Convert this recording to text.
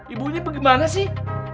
ibu ibunya bagaimana sih